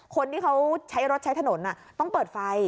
คนที่เขาใช้รถใช้ถนนต้องเปิดไฟ